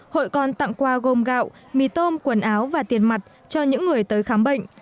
hội còn tặng quà gồm gạo mì tôm quần áo và tiền mặt cho những người tới khám bệnh